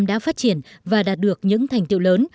việt nam đã phát triển và đạt được những thành tiệu lớn